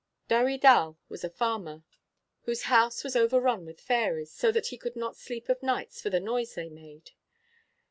Dewi Dal was a farmer, whose house was over run with fairies, so that he could not sleep of nights for the noise they made.